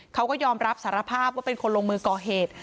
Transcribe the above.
เขาก็ยอมรับสารภาพว่าเป็นคนลงมือก่อเหตุ